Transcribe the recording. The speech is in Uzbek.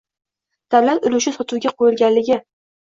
davlat ulushi sotuvga qo‘yilganligi